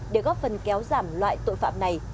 để góp phần kéo giảm loại tội phạm này